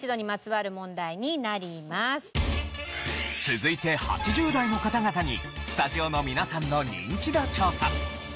続いて８０代の方々にスタジオの皆さんのニンチド調査。